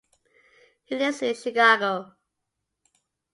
He lives in Chicago.